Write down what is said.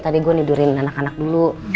tadi gue nidurin anak anak dulu